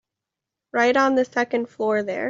Right on the second floor there.